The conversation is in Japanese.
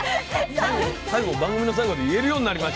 番組の最後で言えるようになりました。